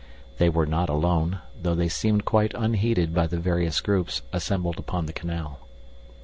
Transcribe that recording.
They were not alone, though they seemed quite unheeded by the various groups assembled upon the canal.